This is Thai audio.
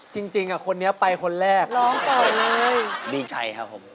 จริงคนนี้ไปคนแรกร้องต่อเลยดีใจครับผม